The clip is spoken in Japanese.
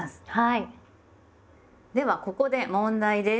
ではここで問題です。